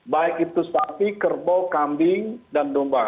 baik itu sapi kerbau kambing dan domba